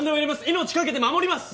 命懸けて護ります！